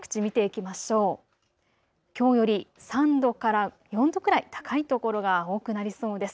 きょうより３度からから４度くらい高い所が多くなりそうです。